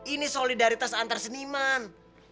ini solidaritas antar seniman